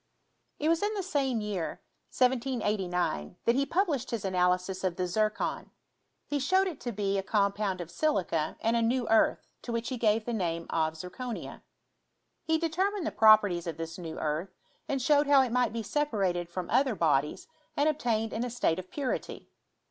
It was in the same year, 1789, that he published his analysis of the zircon ; he showed it to be a com pound of silica and a new earth, to which he gave the name of zirconia. He determined the properties of this new earth, and showed how it might be sepa rated from other bodies and obtained in a state of purity.